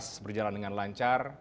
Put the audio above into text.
rakernas berjalan dengan lancar